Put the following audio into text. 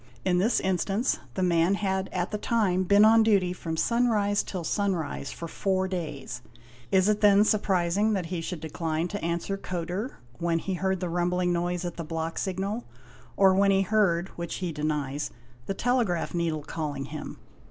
In this instance, the man ... had at the time been on duty from sunrise till sunrise for four days. Is it then surprising that he should decline to answer Kodur when he heard the rumbling noise at the block signal, or when he heard (which he denies) the telegraph needle calling him.